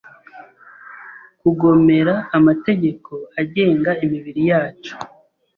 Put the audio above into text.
Kugomera amategeko agenga imibiri yacu